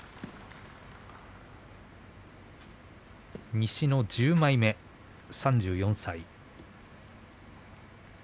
西の１０枚目、３４歳。